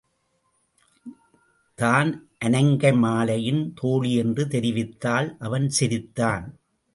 தான் அநங்கமாலையின் தோழி என்று தெரிவித்தாள் அவன் சிரித்தான்.